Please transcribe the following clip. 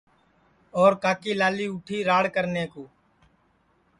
اور کاکلی لالی اُٹھی راڑ کرنے کُو